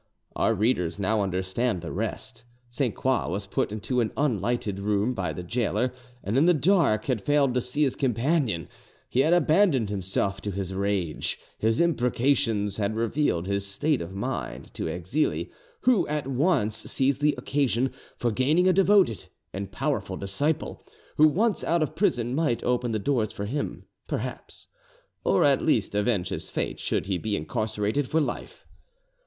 Our readers now understand the rest. Sainte Croix was put into an unlighted room by the gaoler, and in the dark had failed to see his companion: he had abandoned himself to his rage, his imprecations had revealed his state of mind to Exili, who at once seized the occasion for gaining a devoted and powerful disciple, who once out of prison might open the doors for him, perhaps, or at least avenge his fate should he be incarcerated for life.